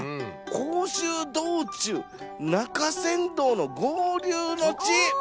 「甲州道中中山道合流之地」。